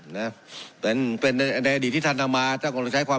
นะเป็นเป็นในในอดีตที่ท่านทำมาท่านกำลังใช้ความ